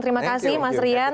terima kasih mas rian